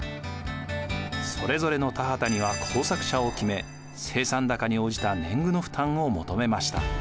それぞれの田畑には耕作者を決め生産高に応じた年貢の負担を求めました。